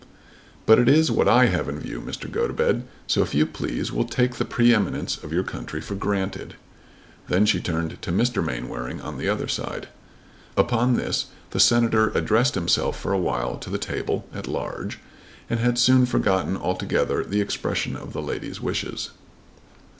"But it is what I have in view, Mr. Gotobed; so if you please we'll take the pre eminence of your country for granted." Then she turned to Mr. Mainwaring on the other side. Upon this the Senator addressed himself for a while to the table at large and had soon forgotten altogether the expression of the lady's wishes.